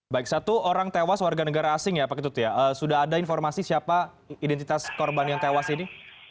baik satu orang tewas warga negara asing ya pak ketut ya sudah ada informasi siapa identitas korban yang tewas ini